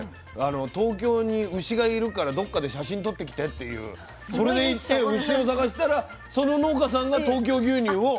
東京に牛がいるからどっかで写真撮ってきてっていうそれで行って牛を探したらその農家さんが東京牛乳を。